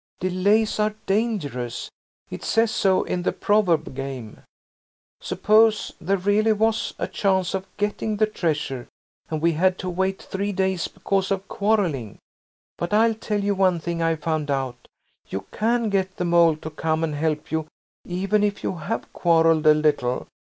Delays are dangerous. It says so in the 'proverb' game. Suppose there really was a chance of getting the treasure and we had to wait three days because of quarrelling. But I'll tell you one thing I found out: you can get the Mole to come and help you, even if you have quarrelled a little.